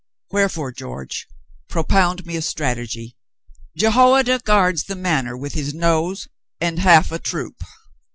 Wherefore, George, propound me a strategy. Jehoi ada guards the Manor with his nose and half a troop.